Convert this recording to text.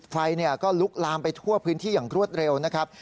ไฟก็ลุกลามไปทั่วพื้นที่อย่างรวดเร็วนะครับ